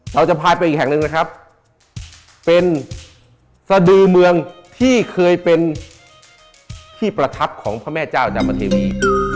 เราจะพาไปอีกแห่งหนึ่งนะครับเป็นสดือเมืองที่เคยเป็นที่ประทับของพระแม่เจ้าดำเทวี